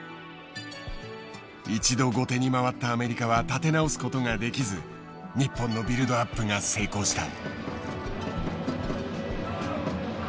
一度後手に回ったアメリカは立て直すことができず日本のビルドアップが成功した。